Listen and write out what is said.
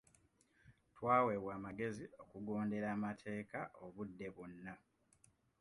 Twaweebwa amagezi okugondera amateeka obudde bwonna.